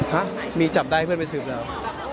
ฮะมีจับได้เพื่อนไปสืบแล้ว